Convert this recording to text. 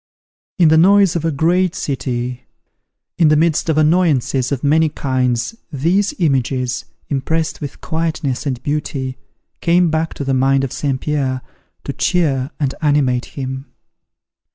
In the noise of a great city, in the midst of annoyances of many kinds these images, impressed with quietness and beauty, came back to the mind of St. Pierre, to cheer and animate him.